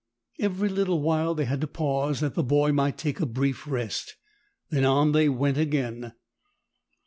Every little while they had to pause that the boy might take a brief rest. Then on they went again.